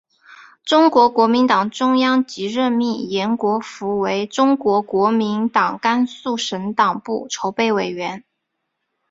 中国国民党中央即任命延国符为中国国民党甘肃省党部筹备委员。